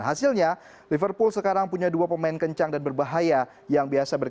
hasilnya liverpool sekarang punya dua pemain kencang dan berbahaya yang biasa berjalan